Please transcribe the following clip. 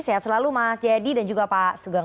sehat selalu mas jayadi dan juga pak sugeng